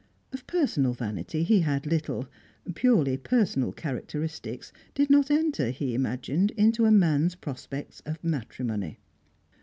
Of personal vanity he had little; purely personal characteristics did not enter, he imagined, into a man's prospects of matrimony.